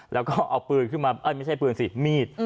แล้วก็เอาปืนขึ้นมาไม่ใช่ปืนสิมีด